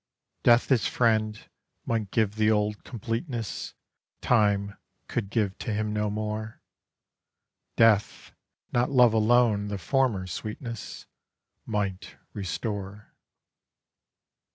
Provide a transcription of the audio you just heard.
Death as friend might give the old completeness Time could give to him no more, Death, not Love alone, the former sweetness Might restore.